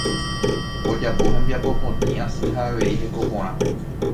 Ojapo hembiapo potĩ asy ha avei heko porã.